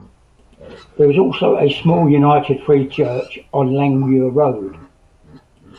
There is also a small United Free Church on Langmuir Road.